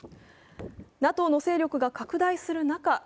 ＮＡＴＯの勢力が拡大する中